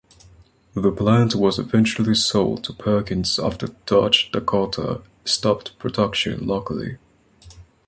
The plant was eventually sold to Perkins after the Dodge Dakota stopped production locally.